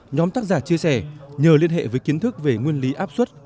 nhóm tác giả chia sẻ nhờ liên hệ với kiến thức về nguyên lý áp suất